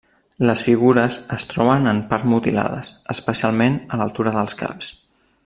Les figures es troben en part mutilades, especialment a l'altura dels caps.